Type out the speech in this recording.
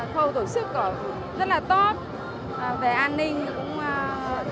công tác tổ chức rất là tốt về an ninh cũng tốt